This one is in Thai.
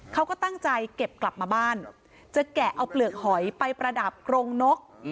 เขาก็ตั้งใจเก็บกลับมาบ้านจะแกะเอาเปลือกหอยไปประดับกรงนก